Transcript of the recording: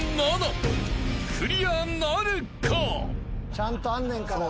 ちゃんとあんねんから。